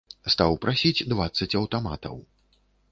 Стаў прасіць дваццаць аўтаматаў.